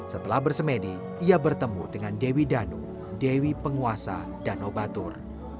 setelah bersemedi ia bertemu dengan dewi danu dewi penguasa danau batur